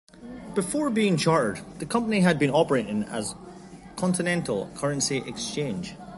Before being chartered, the company had been operating as Continental Currency Exchange.